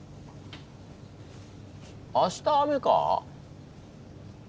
明日雨か。